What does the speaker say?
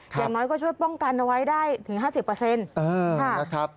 อย่างน้อยก็ช่วยป้องกันเอาไว้ได้ถึง๕๐